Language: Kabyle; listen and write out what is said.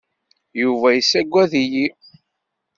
Yuba yessaggad-iyi.